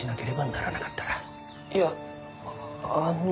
いやあの。